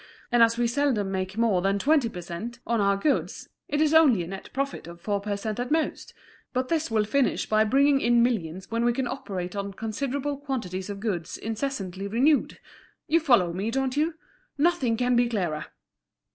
and as we seldom make more than twenty per cent, on our goods, it is only a net profit of four per cent at most; but this will finish by bringing in millions when we can operate on considerable quantities of goods incessantly renewed. You follow me, don't you? nothing can be clearer."